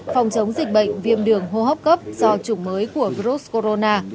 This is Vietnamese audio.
phòng chống dịch bệnh viêm đường hô hấp cấp do chủng mới của virus corona